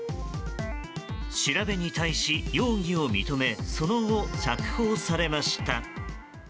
調べに対し、容疑を認めその後、釈放されました。